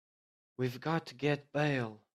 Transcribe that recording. We've got to get bail.